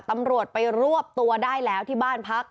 ตำรวจไปรวบตัวได้แล้วที่บ้านพัก